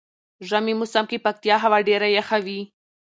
ژمی موسم کې پکتيا هوا ډیره یخه وی.